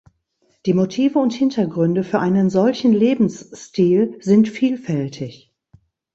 Die Motive und Hintergründe für einen solchen Lebensstil sind vielfältig.